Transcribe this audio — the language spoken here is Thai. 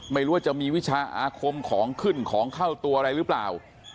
ไม่รู้ว่าจะมีวิชาอาคมของขึ้นของเข้าตัวอะไรหรือเปล่า